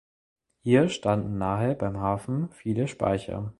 Hier standen nahe beim Hafen viele Speicher.